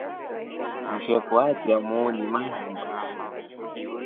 Msheku achya muuni mahemba.